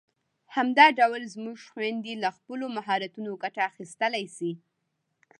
همدا ډول زموږ خويندې له خپلو مهارتونو ګټه اخیستلای شي.